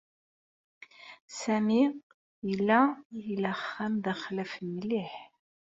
Sami yella ila axxam d axlaf mliḥ.